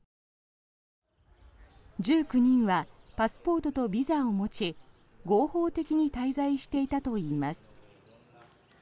１９人はパスポートとビザを持ち合法的に滞在していたといいます。